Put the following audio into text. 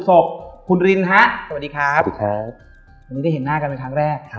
สกคุณลินฮะสวัสดีครับแล้วก็เห็นหน้ากันเพื่อนครั้งแรกนะฮะ